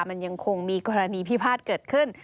มันยังคงมีกรณีพิพาทเกิดขึ้น